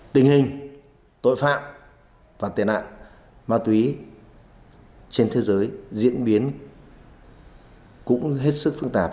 tình hình tội phạm và tài nạn ma túy trên thế giới diễn biến cũng hết sức phương tạp